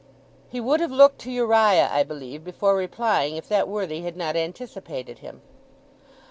He would have looked to Uriah, I believe, before replying, if that worthy had not anticipated him.